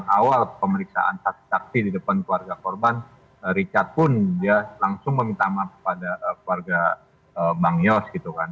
awal pemeriksaan saksi saksi di depan keluarga korban richard pun dia langsung meminta maaf kepada keluarga bang yos gitu kan